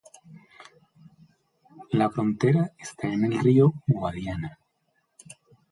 La frontera está en el río Guadiana.